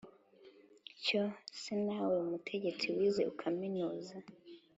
cyo se na we mutegetsi wize ukaminuza